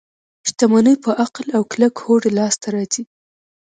شتمني په عقل او کلک هوډ لاس ته راځي.